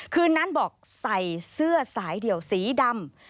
คืนนั้นบอกใส่เสื้อสายเดี่ยวสีดำ